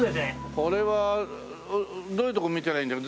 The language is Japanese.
これはどういうとこ見てりゃいいんだろう？